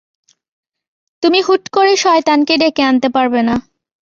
তুমি হুট করে শয়তানকে ডেকে আনতে পারবেনা।